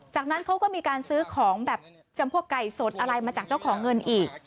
จากนั้นเขาก็มีการซื้อของแบบจำพวกไก่สดอะไรมาจากเจ้าของเงินอีก